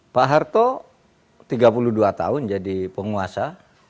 pak harto tiga puluh dua tahun jadi penguasa